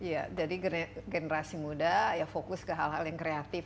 ya jadi generasi muda ya fokus ke hal hal yang kreatif